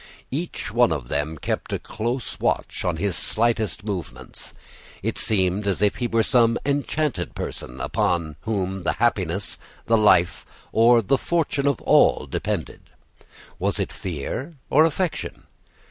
Each one of them kept a close watch on his slightest movements. It seemed as if he were some enchanted person upon whom the happiness, the life, or the fortune of all depended. Was it fear or affection?